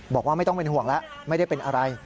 บอกว่าไม่ต้องเป็นห่วงแล้วไม่ได้เป็นอะไร